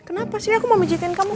kenapa sih aku mau pijetin kamu